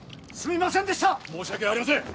申し訳ありません！